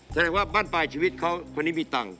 แสดงว่าบ้านปลายชีวิตเขาคนนี้มีตังค์